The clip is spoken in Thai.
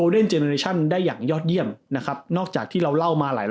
เล่นเจเนชั่นได้อย่างยอดเยี่ยมนะครับนอกจากที่เราเล่ามาหลาย